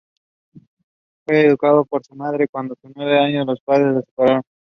Fue educado por su madre, cuando a sus nueve años, los padres se separaron.